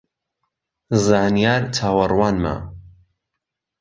زانیار چاوەڕوانمە